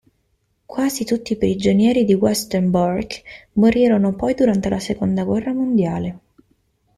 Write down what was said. Quasi tutti i prigionieri di Westerbork morirono poi durante la seconda guerra mondiale.